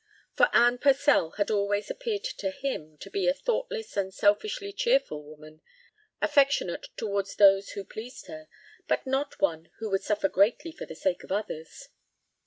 For Anne Purcell had always appeared to him to be a thoughtless and selfishly cheerful woman, affectionate toward those who pleased her, but not one who would suffer greatly for the sake of others.